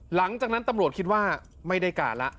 หลังจากนั้นตำรวจคิดว่าไม่ได้การแล้ว